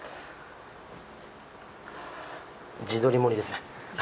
地鶏盛りです。